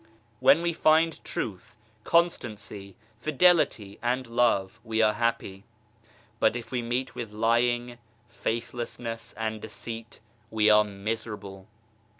When we find truth, constancy, fidelity and love, we are happy ; but if we meet with lying, faithlessness and deceit, we are miserable.